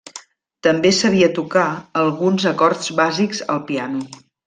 També sabia tocar alguns acords bàsics al piano.